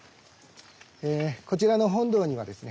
こちらの本堂にはですね